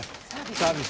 サービス。